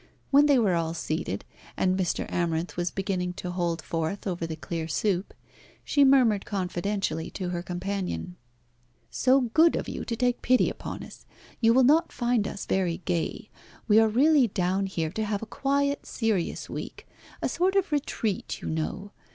When they were all seated, and Mr. Amarinth was beginning to hold forth over the clear soup, she murmured confidentially to her companion "So good of you to take pity upon us. You will not find us very gay. We are really down here to have a quiet, serious week a sort of retreat, you know.